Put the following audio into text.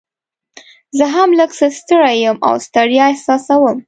زه هم لږ څه ستړی یم او ستړیا احساسوم.